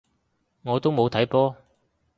我都冇睇波